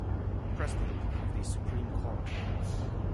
President of the Supreme Court.